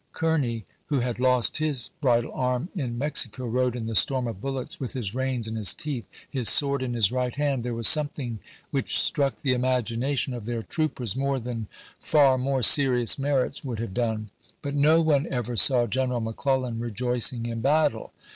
Kearny, who had lost his bridle arm in Mex ico, rode in the storm of bullets with his reins in his teeth, his sword in his right hand, there was something which struck the imagination of their troopers more than far more serious merits would have done. But no one ever saw General McClellan rejoicing in battle.